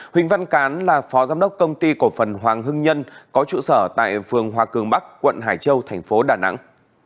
huỳnh văn cán là phó giám đốc công ty cổ phần hoàng hưng nhân có trụ sở tại phường hòa cường bắc quận hải châu thành phố đà nẵng